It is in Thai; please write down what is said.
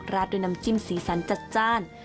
ราดด้วยน้ำจิ้มสีสันจัดจ้าน